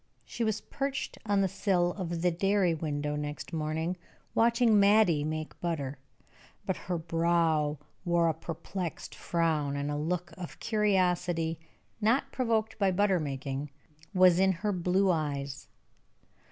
She was perched on the sill of the dairy window, next morning, watching Mattie make butter, but her brow wore a perplexed frown, and a look of curiosity not provoked by butter making was in her blue eyes.